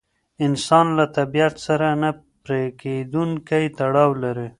انسان له طبیعت سره نه پرېکېدونکی تړاو لري.